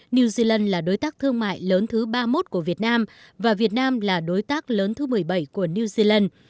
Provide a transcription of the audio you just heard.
new zealand là đối tác thương mại lớn thứ ba mươi một của việt nam và việt nam là đối tác lớn thứ một mươi bảy của new zealand